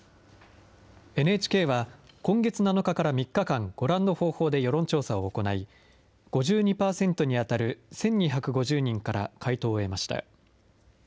ＮＨＫは、今月７日から３日間、ご覧の方法で世論調査を行い、５２％に当たる１２５０人から回答を得ました。